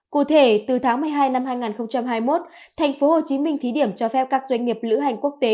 cụ thể từ tháng một mươi hai năm hai nghìn hai mươi một thành phố hồ chí minh thí điểm cho phép các doanh nghiệp lữ hành quốc tế